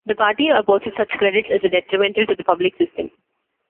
The party opposes such credits as a detrimental to the public system.